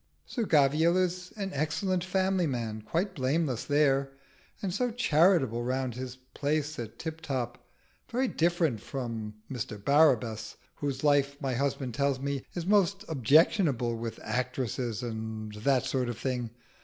"Sir Gavial is an excellent family man quite blameless there; and so charitable round his place at Tiptop. Very different from Mr Barabbas, whose life, my husband tells me, is most objectionable, with actresses and that sort of thing.